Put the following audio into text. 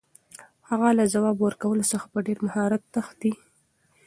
هغه له ځواب ورکولو څخه په ډېر مهارت تښتي.